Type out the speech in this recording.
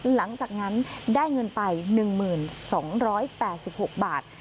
หลังจากนั้นได้เงินไป๑๒๘๖บาท